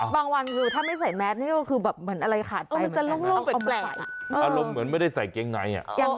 บางวันวิวถ้าไม่ใส่แมสนี่ก็จะคือเหมือนอะไรขาดไป